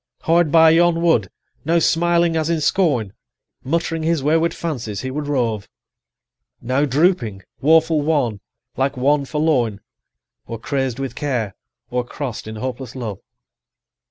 "Hard by yon wood, now smiling as in scorn, 105 Muttering his wayward fancies he would rove; Now drooping, woeful wan, like one forlorn, Or craz'd with care, or cross'd in hopeless love.